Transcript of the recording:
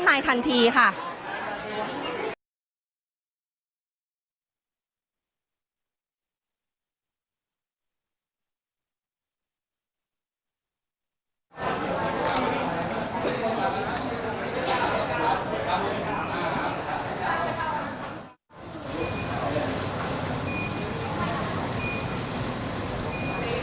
สวัสดีครับทุกคน